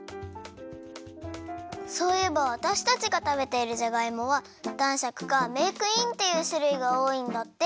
そういえばわたしたちがたべているじゃがいもはだんしゃくかメークインっていうしゅるいがおおいんだって。